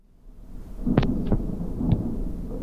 Lakini Brig Ekenge amesema katika taarifa kwamba